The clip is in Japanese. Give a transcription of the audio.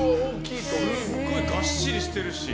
すごいがっしりしてるし。